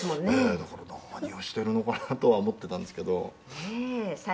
「だから何をしているのかなとは思っていたんですけど」